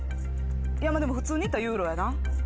いやでも普通にいったらユーロやな。